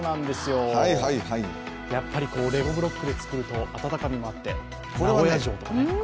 やっぱりレゴブロックで作ると温かみもあって、名古屋城もね。